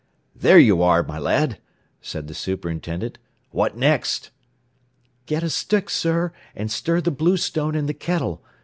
] "There you are, my lad," said the superintendent. "What next?" "Get a stick, sir, and stir the bluestone in the kettle.